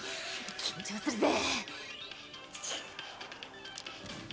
緊張するぜ。